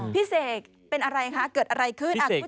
เสกเป็นอะไรคะเกิดอะไรขึ้น